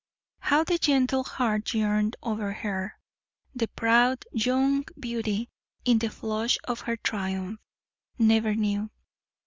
How the gentle heart yearned over her, the proud young beauty, in the flush of her triumph, never knew.